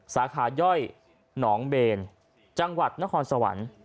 สาขาย่อยหนองเบนจังหวัดนครสวรรค์